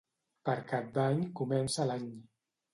Per Cap d'Any comença l'any.